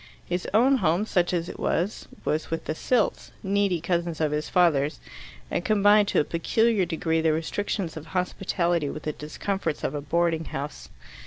His own home, such as it was, was with the Silts, needy cousins of his father's, and combined to a peculiar degree the restrictions of hospitality with the discomforts of a boarding house.